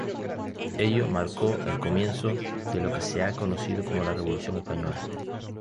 Ello marcó el comienzo de lo que se ha conocido como la Revolución Española.